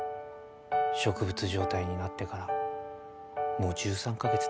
植物状態になってからもう１３カ月経つ